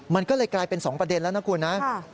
มันก็เลยกลายเป็น๒ประเด็นแล้วนะคุณนะ